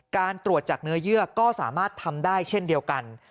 การตรวจจากเนื้อเยื่อก็สามารถทำได้เช่นเดียวกัน